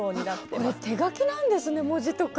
これ手書きなんですね文字とか。